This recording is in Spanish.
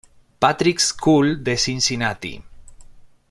Patrick's School de Cincinnati.